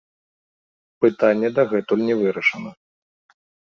Пытанне дагэтуль не вырашана.